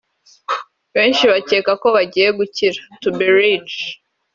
Benshi bakeka ko bagiye gukira (to be rich)